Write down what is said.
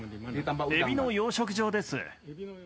エビの養殖場です。